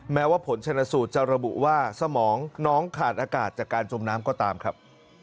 แม้ว่าผลชนสูตรจะระบุว่าสมองน้องขาดอากาศจากการจมน้ำก็ตามครับ